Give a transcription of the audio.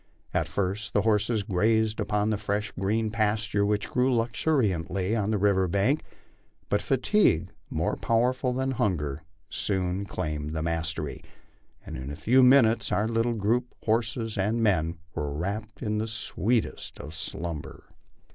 At first the horses grazed upon the fresh green pasture which grew luxuriantly on the river bank, but fatigue, more powerful than hunger, soon claimed the mastery, and in a few minutes our little group, horses and men, were wrapped in the sweetest of slumber.